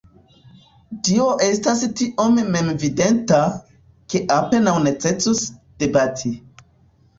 Tio estas tiom memevidenta, ke apenaŭ necesus debati.